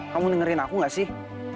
kamu dengerin aku gak sih